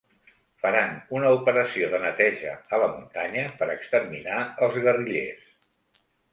Faran una operació de neteja a la muntanya per exterminar els guerrillers.